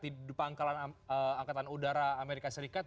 di pangkalan angkatan udara amerika serikat